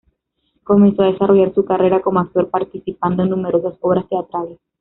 Comenzó a desarrollar su carrera como actor participando en numerosas obras teatrales.